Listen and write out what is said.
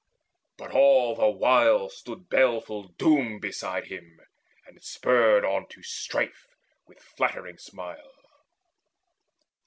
But all the while Stood baleful Doom beside him, and spurred on To strife, with flattering smile.